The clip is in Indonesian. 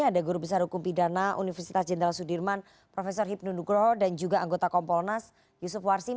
ada guru besar hukum pidana universitas jenderal sudirman prof hipnu nugroho dan juga anggota kompolnas yusuf warsim